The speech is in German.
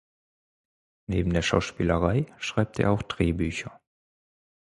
Neben der Schauspielerei schreibt er auch Drehbücher.